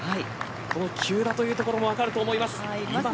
急だというところも分かると思います。